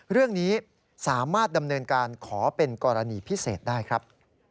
เรื่องนี้สามารถดำเนินการขอเป็นกรณีพิเศษได้ครับ